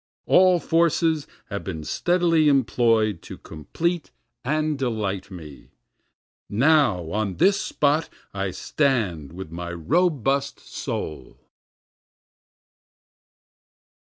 All forces have been steadily employ'd to complete and delight me, Now on this spot I stand with my robust soul.